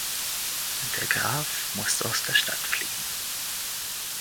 Der Graf musste aus der Stadt fliehen.